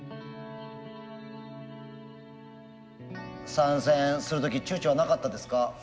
参戦する時ちゅうちょはなかったですか？